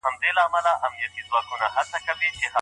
ثیبه ښځه خپل نظر په صراحت بیانوي.